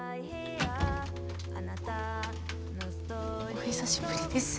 お久しぶりです。